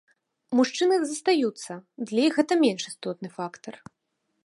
Мужчыны застаюцца, для іх гэта менш істотны фактар.